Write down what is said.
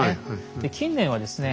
で近年はですね